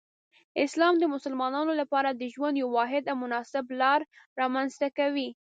اسلام د مسلمانانو لپاره د ژوند یو واحد او مناسب لار رامنځته کوي.